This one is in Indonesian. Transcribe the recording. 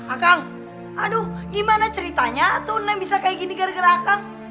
akang aduh gimana ceritanya tuh nenek bisa kayak gini gara gara akang